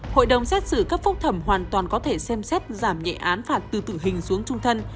hội đồng xét xử cấp phúc thẩm hoàn toàn có thể xem xét giảm nhẹ án phạt từ tử hình xuống trung thân